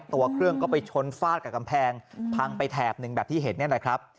ตัวเครื่องก็ไปชนฟาดกับกำแพงพังไปแถบหนึ่งแบบที่เห็นเนี่ยนะครับ